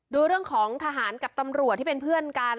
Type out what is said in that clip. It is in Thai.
ดูเรื่องของทหารกับตำรวจที่เป็นเพื่อนกัน